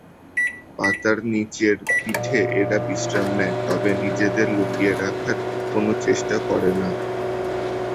পাতার নিচের পিঠে এরা বিশ্রাম নেয়, তবে নিজেদের লুকিয়ে রাখার কোন চেষ্টা করে না।